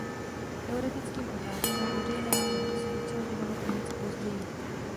Teoretickým otázkám veřejné správy se začal věnovat o něco později.